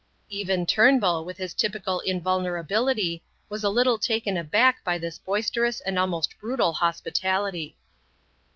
Even Turnbull, with his typical invulnerability, was a little taken aback by this boisterous and almost brutal hospitality.